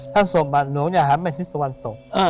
ถ้าฝังบาทหลวงอย่าหาแม่ศิษย์สวรรค์ศพ